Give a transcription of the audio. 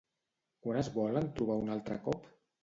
Quan es volen trobar un altre cop?